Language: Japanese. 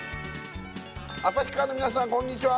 旭川の皆さんこんにちは